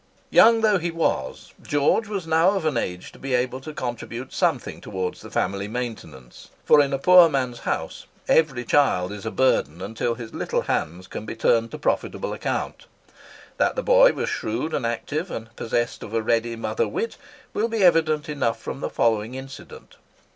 Young though he was, George was now of an age to be able to contribute something towards the family maintenance; for in a poor man's house, every child is a burden until his little hands can be turned to profitable account. That the boy was shrewd and active, and possessed of a ready mother wit, will be evident enough from the following incident.